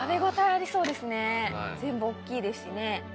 全部おっきいですしね。